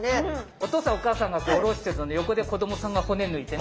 お父さんお母さんがおろしてる横で子供さんが骨抜いてね。